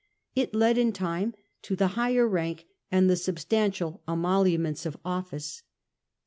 It led in time to the higher rank and the substantial emoluments of office.